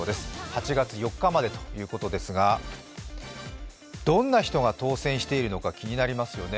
８月４日までということですがどんな人が当選しているのか気になりますよね。